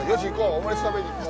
オムレツ食べに行こう。